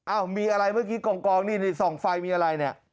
อ้าวมีอะไรเมื่อกี้กล่องนี่ส่องไฟมีอะไร